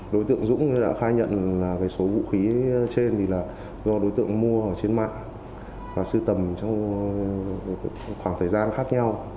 đối tượng dũng đã khai nhận là số vũ khí trên thì là do đối tượng mua ở trên mạng và sưu tầm trong khoảng thời gian khác nhau